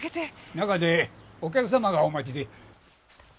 中でお客様がお待ちで。